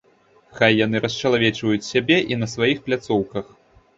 Хай яны расчалавечваюць сябе і на сваіх пляцоўках.